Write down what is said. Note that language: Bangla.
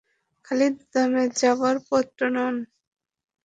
খালিদ দমে যাবার পাত্র নন।